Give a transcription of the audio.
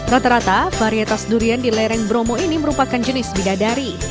rata rata varietas durian di lereng bromo ini merupakan jenis bidadari